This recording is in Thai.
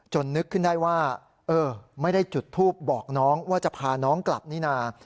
นึกขึ้นได้ว่าเออไม่ได้จุดทูปบอกน้องว่าจะพาน้องกลับนี่นะ